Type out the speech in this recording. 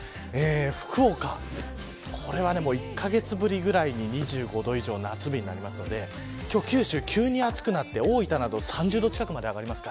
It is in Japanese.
福岡は１カ月ぶりぐらいに２５度以上の夏日になるので今日は九州は急に暑くなって大分など３０度近くまで上がります。